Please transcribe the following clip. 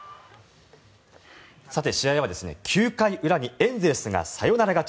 試合は９回裏にエンゼルスがサヨナラ勝ち。